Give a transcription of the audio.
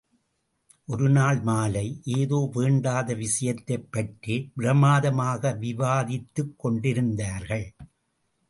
ஒரு நாள் மாலை, ஏதோ வேண்டாத விஷயத்தைப் பற்றிப் பிரமாதமாக விவாதித்துக் கொண்டிருந்தார்கள்.